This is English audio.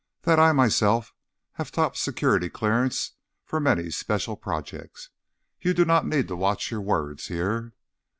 That I, myself, have top security clearance for many special projects? You do not need to watch your words here."